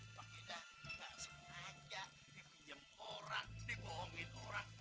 apa kita ga sengaja dipinjam orang dibohongin orang